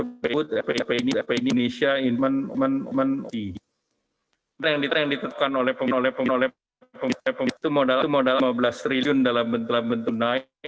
oleh pemula lima belas triliun dalam bentuk bentuk naik dan dan